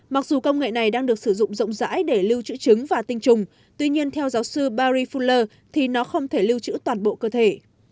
mặc dù công nghệ này đang được sử dụng rộng rãi để lưu trữ trứng và tinh trùng tuy nhiên theo giáo sư bari fuller thì nó không thể lưu trữ toàn bộ cơ thể